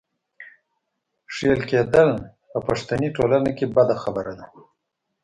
ښېل کېدل په پښتني ټولنه کې بده خبره ده.